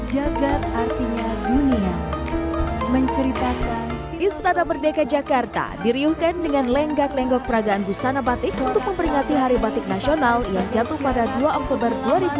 jagad artinya dunia menceritakan istana merdeka jakarta diriuhkan dengan lenggak lenggok peragaan busana batik untuk memperingati hari batik nasional yang jatuh pada dua oktober dua ribu dua puluh